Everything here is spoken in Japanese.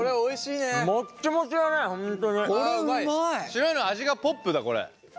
白いの味がポップだこれ。